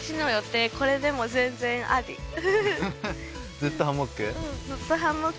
ずっとハンモック？